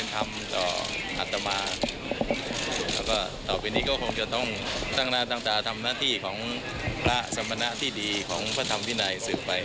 ตรงนี้ก็ต้องตั้งใจทำหน้าที่ของประสัมพนะที่ดีของพระธรรมที่นายซึมไป